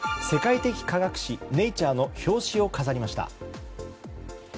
世界的科学誌「ネイチャー」の表紙を飾りました。